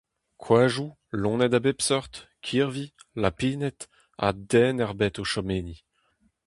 Koadoù, loened a bep seurt, kirvi, lapined ha… den ebet o chom enni.